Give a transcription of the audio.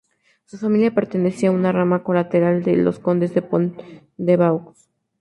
Su familia pertenecía a una rama colateral de los condes de Pont-de-Vaux.